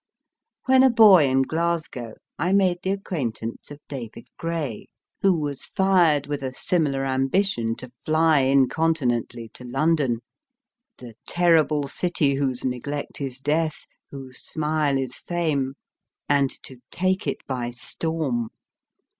When a boy in Glasgow, I made the acquaintance of David Gray, who was fired with a similar ambition to fly incon tinently to London The terrible City whose neglect is Death, Whose smile is Fame ! 284 MY FIRST BOOK and to take it by storm.